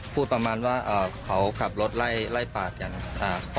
พูดประมาณว่าเขากลับรถไล่ปากกัน